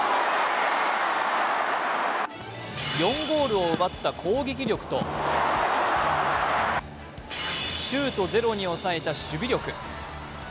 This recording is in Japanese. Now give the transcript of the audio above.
４ゴールを奪った攻撃力と、シュートゼロに抑えた守備力。